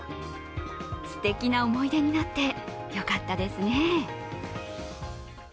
すてきな思い出になってよかったですね。